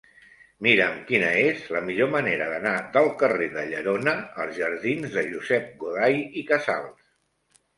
Mira'm quina és la millor manera d'anar del carrer de Llerona als jardins de Josep Goday i Casals.